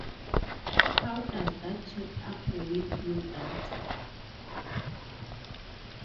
How does that check up with your data?